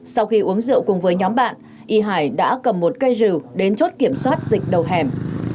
sau khi uống rượu cùng với nhóm bạn y hải đã cầm một cây rừng đến chốt kiểm soát dịch đầu hẻm